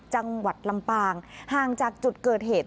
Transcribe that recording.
จังหวัดลำปางห่างจากจุดเกิดเหตุ